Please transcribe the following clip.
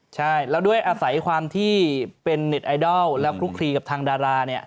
ใช่แล้วด้วยอาศัยความที่เป็นเน็ตไอดอลแล้วคลุกคลีกับทางดาราเนี่ย